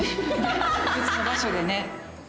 別の場所でね。